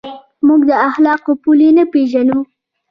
موږ د اخلاقو پولې نه پېژنو.